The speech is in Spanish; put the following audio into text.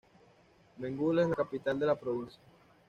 Benguela es la capital de la provincia.